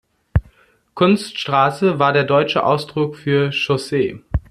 Kunststraße war der deutsche Ausdruck für Chaussee.